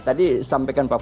tadi sampaikan pak pak